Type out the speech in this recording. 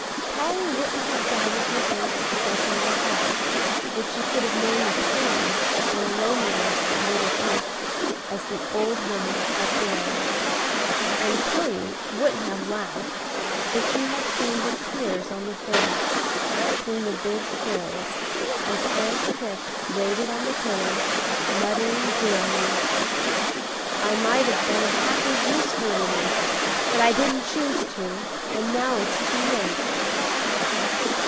Polly wouldn't have doubted her aunt's possession of a heart, if she could have known the pain and loneliness that made it ache, as the old woman crept away; and Toady wouldn't have laughed if he had seen the tears on the face, between the big frills, as Aunt Kipp laid it on the pillow, muttering, drearily, "I might have been a happy, useful woman, but I didn't choose to, and now it's too late."